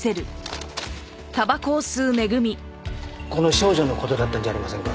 この少女の事だったんじゃありませんか？